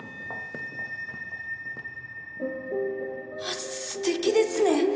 あっすてきですね